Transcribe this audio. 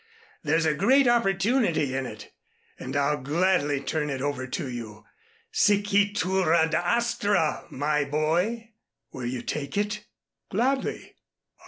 There's a great opportunity in it, and I'll gladly turn it over to you. 'Sic itur ad astra,' my boy. Will you take it?" "Gladly.